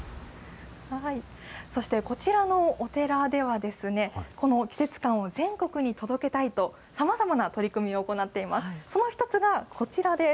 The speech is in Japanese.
そして、こちらのお寺では、この季節感を全国に届けたいと、さまざまな取り組みを行っています。